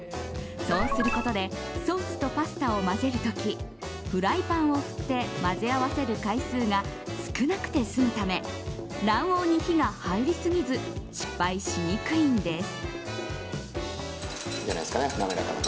そうすることでソースとパスタを混ぜる時フライパンを振って混ぜ合わせる回数が少なくて済むため卵黄に火が入りすぎず失敗しにくいんです。